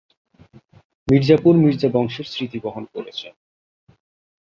মির্জাপুর মির্জা বংশের স্মৃতি বহন করেছে।